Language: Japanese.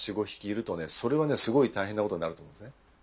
それはねすごい大変なことになると思うんですね。